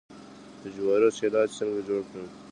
د جوارو سیلاج څنګه جوړ کړم؟